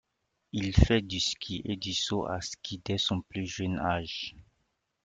Il fait du ski et du saut à ski dès son plus jeune âge.